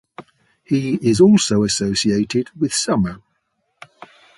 He is also associated with summer.